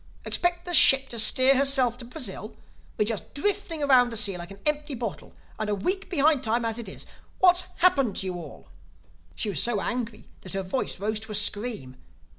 Expect the ship to steer herself to Brazil? We're just drifting around the sea like an empty bottle—and a week behind time as it is. What's happened to you all?" She was so angry that her voice rose to a scream.